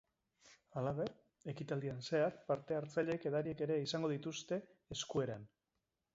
Halaber, ekitaldian zehar, parte hartzaileek edariak ere izango dituzte eskueran.